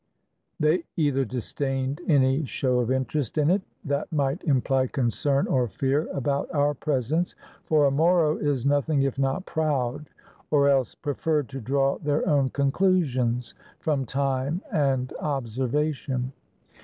They either disdained any show of inter est in it that might imply concern or fear about our pres ence, — for a Moro is nothing if not proud, — or else preferred to draw their own conclusions from time and observation.